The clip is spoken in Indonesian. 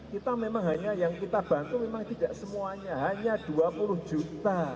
kita memang hanya yang kita bantu memang tidak semuanya hanya dua puluh juta